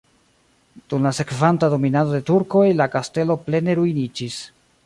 Dum la sekvanta dominado de turkoj la kastelo plene ruiniĝis.